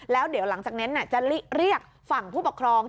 แล้วเดี๋ยวหลังจากนั้นจะเรียกฝั่งผู้ปกครอง